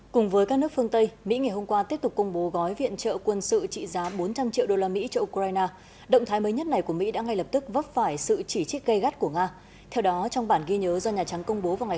cùng với các nước phương tây mỹ ngày hôm qua tiếp tục công bố gói viện trợ quân sự trị giá bốn trăm linh triệu đô la mỹ